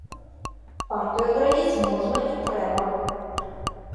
Партыю адрадзіць можна і трэба.